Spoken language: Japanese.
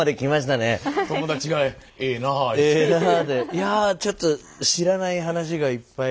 いやちょっと知らない話がいっぱい。